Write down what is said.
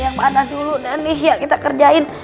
yang mana dulu dan nih ya kita kerjain